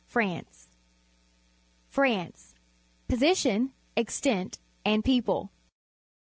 FRANCE /fx^'^ Position, Extent, and People.